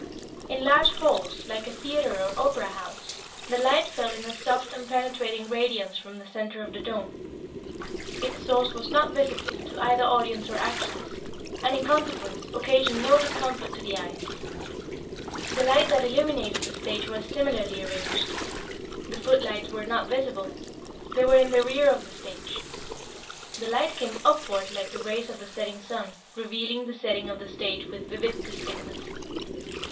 In large halls, like a theatre or opera house, the light fell in a soft and penetrating radiance from the center of the dome. Its source was not visible to either audience or actresses, and, in consequence, occasioned no discomfort to the eyes. The light that illuminated the stage was similarly arranged. The footlights were not visible. They were in the rear of the stage. The light came upward like the rays of the setting sun, revealing the setting of the stage with vivid distinctness.